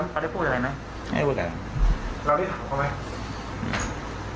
เขาได้พูดอะไรไหมไม่ได้พูดอะไรเราได้ถามเขาไหม